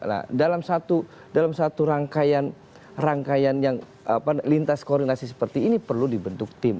nah dalam satu rangkaian rangkaian yang lintas koordinasi seperti ini perlu dibentuk tim